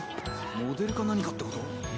モデルか何かってこと？